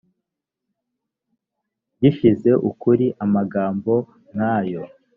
gishije ukuri amagambo nk ayo